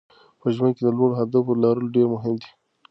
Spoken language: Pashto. په ژوند کې د لوړو اهدافو لرل ډېر مهم دي.